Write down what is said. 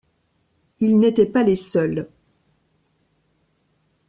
Ils n’étaient pas les seuls.